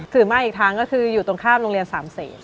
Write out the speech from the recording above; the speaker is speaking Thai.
ถือมาอีกทางก็คืออยู่ตรงข้ามโรงเรียนสามเศษ